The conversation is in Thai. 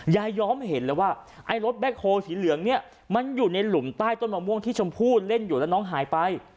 ย้อมเห็นเลยว่าไอ้รถแบ็คโฮลสีเหลืองเนี่ยมันอยู่ในหลุมใต้ต้นมะม่วงที่ชมพู่เล่นอยู่แล้วน้องหายไป